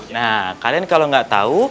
nah kalian kalau gak tau